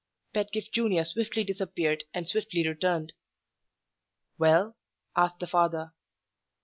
Pedgift Junior swiftly disappeared and swiftly returned. "Well?" asked the father.